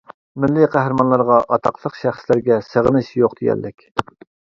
مىللىي قەھرىمانلارغا، ئاتاقلىق شەخسلەرگە سېغىنىش يوق دېيەرلىك.